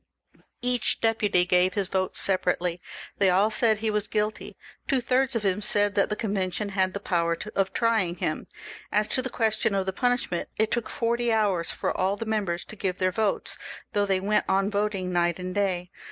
Each deputy gave his vote separately ; they aU said he was guilty. Two thirds of them said that the Con vention had the power of trying him. As to the question of the punishment, it took forty hours for all the members to give their votes, though they went on voting night and day.